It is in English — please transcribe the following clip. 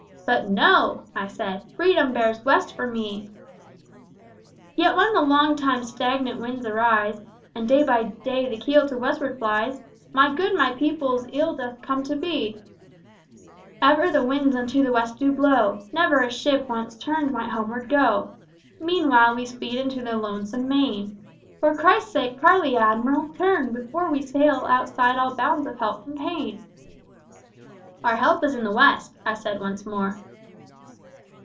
_ But no! I said, Freedom bears West for me! Yet when the long time stagnant winds arise, And day by day the keel to westward flies, My Good my people's Ill doth come to be: _Ever the winds into the West do blow; Never a ship, once turned, might homeward go; Meanwhile we speed into the lonesome main. For Christ's sake, parley, Admiral! Turn, before We sail outside all bounds of help from pain!_ Our help is in the West, I said once more.